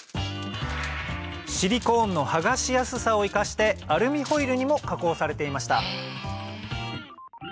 シリコーンの剥がしやすさを生かしてアルミホイルにも加工されていました